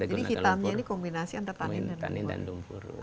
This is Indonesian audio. jadi hitamnya ini kombinasi antara tanin dan lumpur